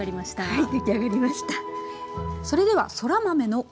はい。